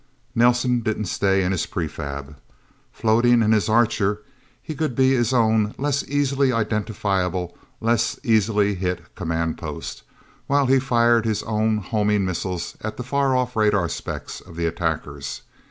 Nelsen didn't stay in his prefab. Floating in his Archer, he could be his own, less easily identifiable, less easily hit command post, while he fired his own homing missiles at the far off radar specks of the attackers.